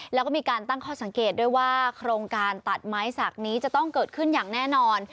แล้วก็มีการตั้งข้อสังเกตด้วยว่าโครงการตัดไม้สักนี้จะต้องเกิดขึ้นอย่างแน่นอน